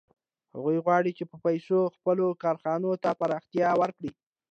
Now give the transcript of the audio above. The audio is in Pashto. هغوی غواړي چې په پیسو خپلو کارخانو ته پراختیا ورکړي